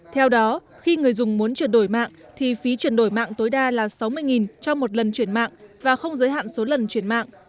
theo đó khi người dùng muốn chuyển đổi mạng thì phí chuyển đổi mạng tối đa là sáu mươi cho một lần chuyển mạng và không giới hạn số lần chuyển mạng